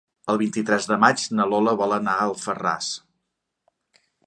El vint-i-tres de maig na Lola vol anar a Alfarràs.